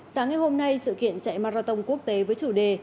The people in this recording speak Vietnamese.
sáng ngày hôm nay sự kiện chạy marathon quốc tế với chủ đề